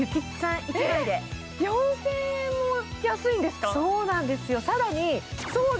４０００円も安いんですか。